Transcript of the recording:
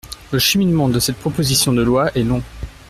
Le cheminement de cette proposition de loi est long.